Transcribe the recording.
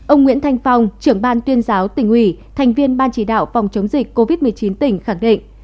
ông nguyễn thanh phong trưởng ban tuyên giáo tỉnh ủy thành viên ban chỉ đạo phòng chống dịch covid một mươi chín tỉnh khẳng định